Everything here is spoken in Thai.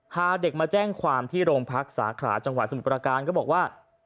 พาเด็กมาแจ้งความที่โรงพักสาขาจังหวัดสมุทรประการก็บอกว่า